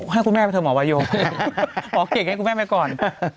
ให้คุณแม่ไปเถอะหมอวาโยหมอเก่งให้คุณแม่ไปก่อน